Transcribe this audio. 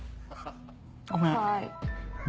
ごめん。